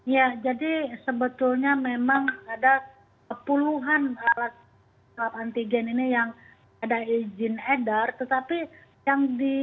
ya jadi sebetulnya memang ada puluhan alat swab antigen ini yang ada izin edar